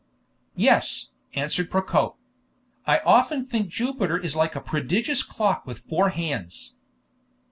"Yes," answered Procope. "I often think Jupiter is like a prodigious clock with four hands."